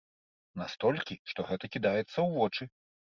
Настолькі, што гэта кідаецца ў вочы.